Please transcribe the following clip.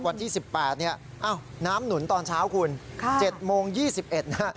วันที่๑๘เนี่ยน้ำหนุนตอนเช้าคุณ๗โมง๒๑นะฮะ